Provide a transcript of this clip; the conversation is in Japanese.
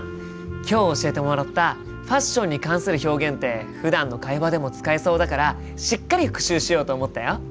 今日教えてもらったファッションに関する表現ってふだんの会話でも使えそうだからしっかり復習しようと思ったよ。